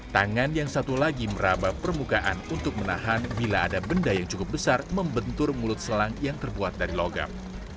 tangan yang satu lagi meraba permukaan untuk menahan bila ada benda yang cukup besar membentur mulut selang yang terbuat dari logam